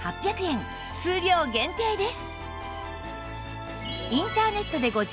数量限定です